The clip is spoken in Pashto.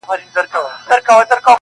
o خو دننه درد ژوندی وي تل,